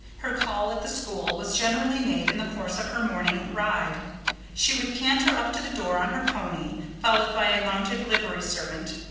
Her call at the school was generally made in the course of her morning ride. She would canter up to the door on her pony, followed by a mounted livery servant.